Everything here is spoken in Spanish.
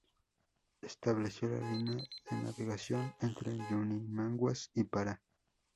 Estableció la línea de navegación entre Yurimaguas y Pará.